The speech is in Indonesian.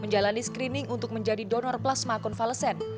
menjalani screening untuk menjadi donor plasma konvalesen